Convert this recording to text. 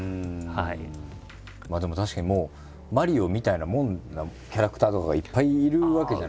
まあでも確かにもう「マリオ」みたいなもんキャラクターとかがいっぱいいるわけじゃないですか。